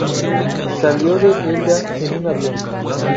Salió de Elda en un avión.